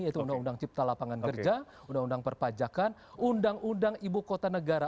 yaitu undang undang cipta lapangan kerja undang undang perpajakan undang undang ibu kota negara